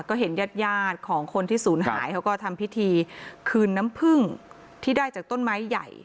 ก็เห็นญาติยาดของคนที่ศูนย์หายเขาก็ทำพิธีคืนน้ำผึ้งที่ได้จากต้นไม้ใหญ่